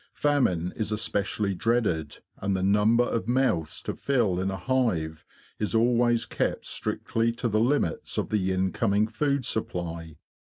Famine is especially dreaded, and the number of mouths to fill in a hive is always kept strictly to the limits of the incoming food supply.